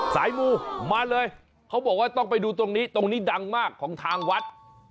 สายมูมาเลยเขาบอกว่าต้องไปดูตรงนี้ตรงนี้ดังมากของทางวัด